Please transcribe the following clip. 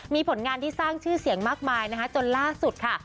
มีผลงานที่สร้างชื่อเสียงมากมายนะคะจนล่าสุดค่ะ